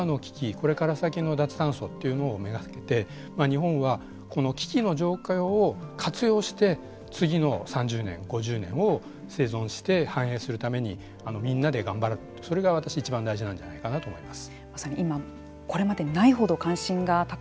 これから先の脱炭素というのを目がけて日本はこの危機の状況を活用して次の３０年、５０年を生存して繁栄するためにみんなで頑張るとそれが私いちばん大事なんじゃないかなと思います。